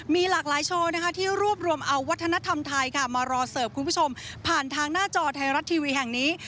มีหลากหลายโชว์นะคะที่รวบรวมเอาวัฒนธรรมไทยมารอเสิร์ฟคุณผู้ชมผ่านทางหน้าจอไทยรัฐทีวีแห่งนี้